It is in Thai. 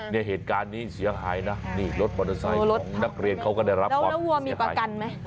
เนี่ยเหตุการณ์นี้เสียหายนะนี่รถมอเตอร์ไซค์ของนักเรียนเขาก็ได้รับความแล้ววัวมีประกันไหม